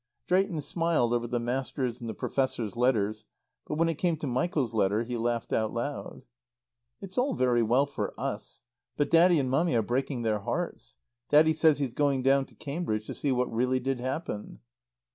Drayton smiled over the Master's and the Professor's letters, but when it came to Michael's letter he laughed aloud. "It's all very well for us. But Daddy and Mummy are breaking their hearts. Daddy says he's going down to Cambridge to see what really did happen."